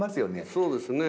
そうですね。